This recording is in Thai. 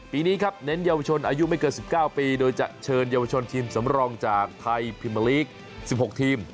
ปีนี้ครับเน้นเยาวชนอายุไม่เกิน๑๙ปีโดยจะเชิญเยาวชนทีมสำรองจากไทยพิมมาลีก๑๖ทีม